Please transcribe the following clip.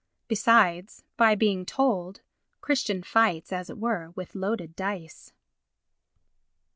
Besides, by being told, Christian fights, as it were, with loaded dice.